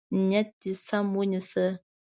نیت دې سم ونیسه.